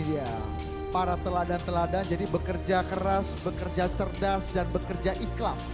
iya para teladan teladan jadi bekerja keras bekerja cerdas dan bekerja ikhlas